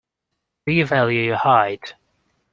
Do you value your hide.